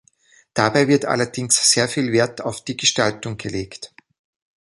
Dabei wird allerdings sehr viel Wert auf die Gestaltung gelegt.